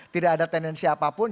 tidak ada tendensi apapun